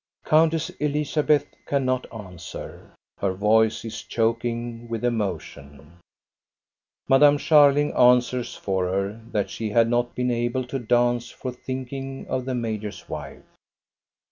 '* Countess Elizabeth cannot answer. Her voice is choking with emotion. Madame Scharling answers for her, that she had not been able to dance for think ing of the major's wife.